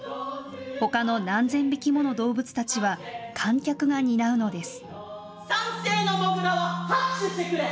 ほかの何千匹もの動物たちは観客が担うのです。